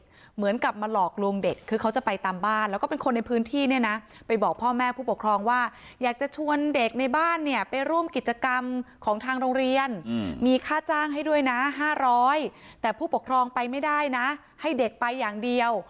เหมือนกับมาหลอกลวงเด็กคือเขาจะไปตามบ้านแล้วก็เป็นคนในพื้นที่เนี่ยนะไปบอกพ่อแม่ผู้ปกครองว่าอยากจะชวนเด็กในบ้านเนี่ยไปร่วมกิจกรรมของทางโรงเรียนมีค่าจ้างให้ด้วยนะ๕๐๐แต่ผู้ปกครองไปไม่ได้นะให้เด็กไปอย่างเดียว